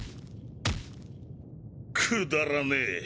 くだらねえ！